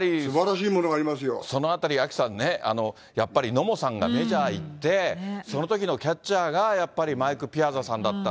そのあたり、アキさんね、やっぱり野茂さんがメジャー行って、そのときのキャッチャーがやっぱりマイク・ピアザさんだった。